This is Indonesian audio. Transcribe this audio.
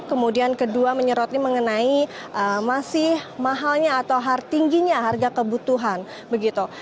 kemudian kedua menyeroti mengenai masih mahalnya atau tingginya harga kebutuhan begitu